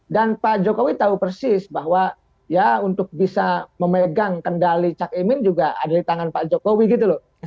dan pak jokowi tahu persis bahwa ya untuk bisa memegang kendali cakimin juga ada di tangan pak jokowi gitu loh